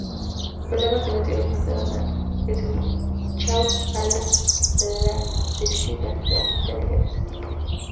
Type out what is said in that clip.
Problemas financieros mandaron al Zwickau a la Landesliga, la quinta liga de ese tiempo.